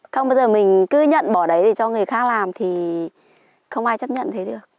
không bây giờ mình cứ nhận bỏ đấy để cho người khác làm thì không ai chấp nhận thấy được